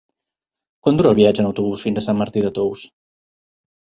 Quant dura el viatge en autobús fins a Sant Martí de Tous?